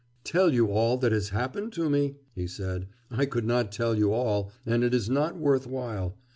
'Tell you all that has happened to me?' he said; 'I could not tell you all, and it is not worth while.